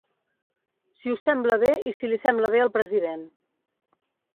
Si us sembla bé i si li sembla bé al president.